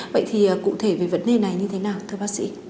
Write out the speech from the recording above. vậy thì cụ thể về vấn đề này như thế nào thưa bác sĩ